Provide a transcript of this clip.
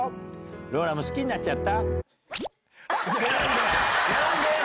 ローラも好きになっちゃった。